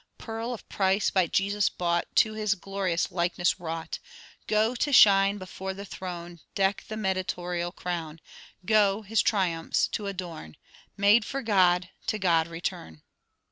Pearl of price, by Jesus bought, To his glorious likeness wrought, Go, to shine before the throne; Deck the mediatorial crown; Go, his triumphs to adorn; Made for God, to God return.'